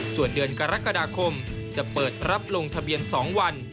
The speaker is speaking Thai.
ส่วนเดือนกรกฎาคมจะเปิดรับลงทะเบียน๒วัน